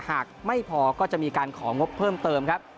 หากไม่พอก็จะมีการของงบเพิ่มเติมครับ